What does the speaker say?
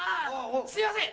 すいません